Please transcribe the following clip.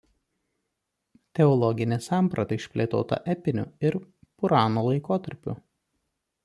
Teologinė samprata išplėtota epiniu ir Puranų laikotarpiu.